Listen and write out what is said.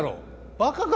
バカか？